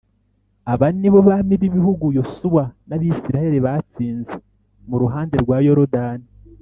Aba ni bo bami b ibihugu Yosuwa n Abisirayeli batsinze mu ruhande rwa Yorodani